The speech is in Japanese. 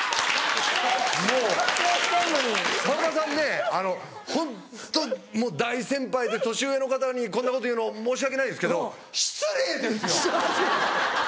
さんまさんねホント大先輩で年上の方にこんなこと言うの申し訳ないですけど失礼ですよ！